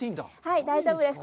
はい、大丈夫です。